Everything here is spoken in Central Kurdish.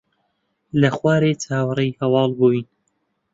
لە خوارێ چاوەڕێی هەواڵ بووین.